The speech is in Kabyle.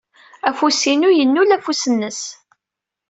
Afus-inu yennul afus-nnes.